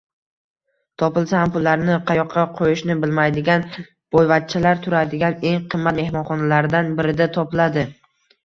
Topilsa ham pullarini qayoqqa qo`yishni bilmaydigan boyvachchalar turadigan eng qimmat mehmonxonalardan birida topiladi